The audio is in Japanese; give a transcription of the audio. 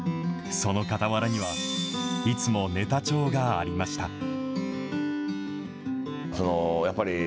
その傍らには、いつもネタ帳がありました。